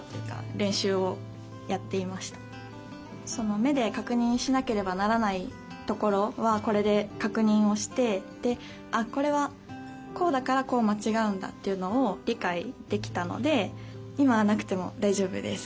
その目で確認しなければならないところはこれで確認をしてで「これはこうだからこう間違うんだ」っていうのを理解できたので今はなくても大丈夫です。